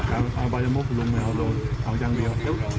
เอาบ้ายมวกลงดูเอายังเดี๋ยว